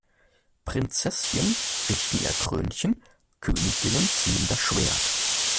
Prinzesschen richten ihr Krönchen, Königinnen ziehen das Schwert!